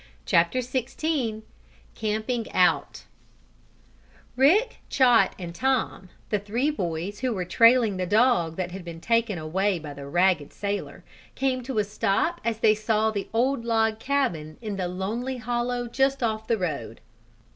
CHAPTER XVI CAMPING OUT Rick, Chot and Tom the three boys who were trailing the dog that had been taken away by the ragged sailor came to a stop as they saw the old log cabin in the lonely hollow just off the road.